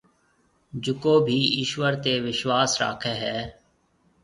جڪو ڀِي ايشوَر تي وِشواس راکَي هيَ۔